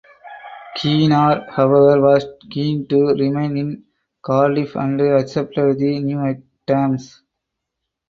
Keenor however was keen to remain in Cardiff and accepted the new terms.